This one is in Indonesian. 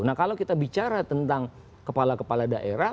nah kalau kita bicara tentang kepala kepala daerah